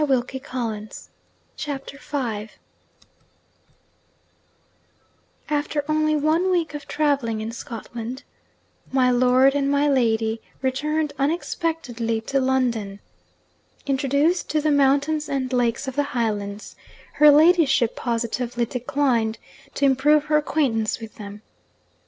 THE SECOND PART CHAPTER V After only one week of travelling in Scotland, my lord and my lady returned unexpectedly to London. Introduced to the mountains and lakes of the Highlands, her ladyship positively declined to improve her acquaintance with them.